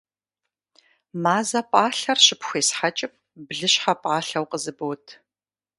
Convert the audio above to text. Мазэ пӏалъэр щыпхуесхьэкӏым, блыщхьэ пӏалъэу къызыбот.